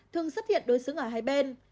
thường xuất hiện đối xứng ở hai bên